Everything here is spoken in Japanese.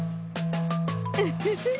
ウフフッ。